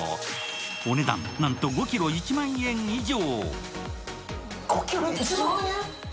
お値段、なんと５ｋｇ１万円以上。